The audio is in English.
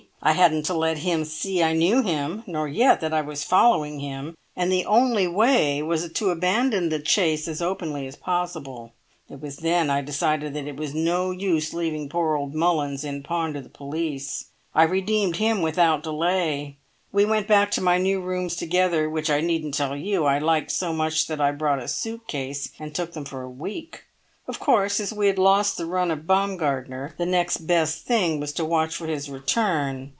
I hadn't to let him see I knew him, nor yet that I was following him, and the only way was to abandon the chase as openly as possible. It was then I decided that it was no use leaving poor old Mullins in pawn to the police. I redeemed him without delay. We went back to my new rooms together, which I needn't tell you I liked so much that I brought a suit case and took them for a week. Of course, as we had lost the run of Baumgartner, the next best thing was to watch for his return.